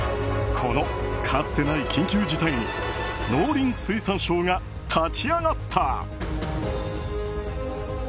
このかつてない緊急事態に農林水産省が立ち上がった。